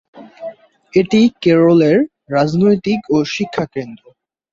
এটি কেরলের রাজনৈতিক ও শিক্ষাকেন্দ্র।